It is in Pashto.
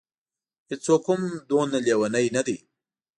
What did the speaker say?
هېڅوک هم دومره لېوني نه دي.